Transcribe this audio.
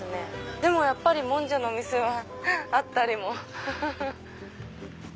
でもやっぱりもんじゃのお店はあったりも。